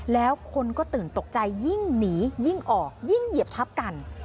แล้วคนก็ตื่นตกใจยิ่งหนียิ่งออกยิ่งเหยียบทับกัน